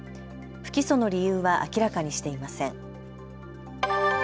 不起訴の理由は明らかにしていません。